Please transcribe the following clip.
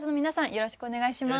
よろしくお願いします。